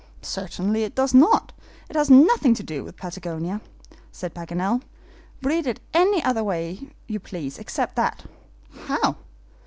"Certainly it does not. It has nothing to do with Patagonia," said Paganel. "Read it any way you please except that." "How?"